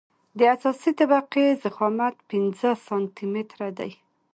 د اساسي طبقې ضخامت پنځه سانتي متره دی